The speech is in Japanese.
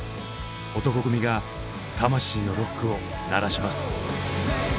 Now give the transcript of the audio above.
男闘呼組が魂のロックを鳴らします。